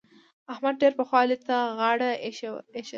احمد ډېر پخوا علي ته غاړه اېښې ده.